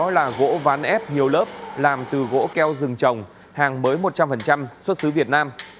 đó là gỗ ván ép nhiều lớp làm từ gỗ keo rừng trồng hàng mới một trăm linh xuất xứ việt nam